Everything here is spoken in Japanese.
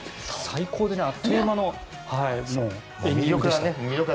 最高であっという間の演技力でした。